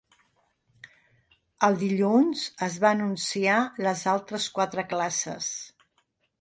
El dilluns es va anunciar les altres quatre classes.